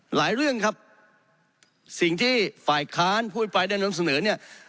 หลายเรื่องครับสิ่งที่ฝ่ายค้านผู้อภิปรายได้นำเสนอเนี่ย